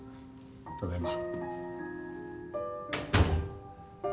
ただいま。